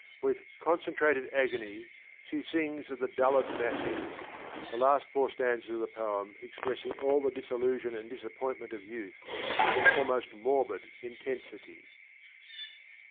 With ' concentrated agony ' she sings of ' the dullard masses,' the four last stanzas of the poem expressing all the disillusion and disappointment of youth with an almost morbid intensity.